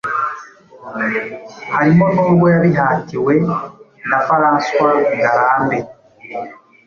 harimo nubwo yabihatiwe na François Ngarambe,